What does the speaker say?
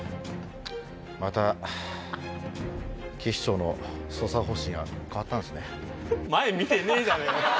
また警視庁の捜査方針が変わったんですね。